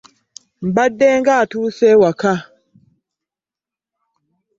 Mbadde nga atuuse ewaka .